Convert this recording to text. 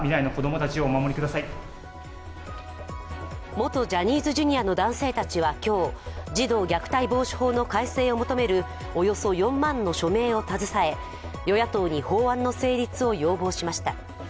元ジャニーズＪｒ．の男性たちは今日、児童虐待防止法の改正を求めるおよそ４万の署名を携え、与野党に法案の成立を要望しました。